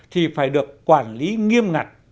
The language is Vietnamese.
thì phải được quản lý nghiêm ngặt